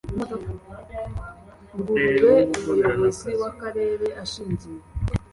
ngurube umuyobozi w akarere ashingiye